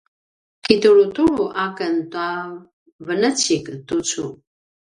kitulutulu aken tua venecik tucu